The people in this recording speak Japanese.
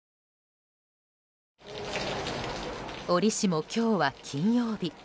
折しも今日は金曜日。